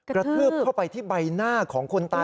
กระทืบเข้าไปที่ใบหน้าของคนตาย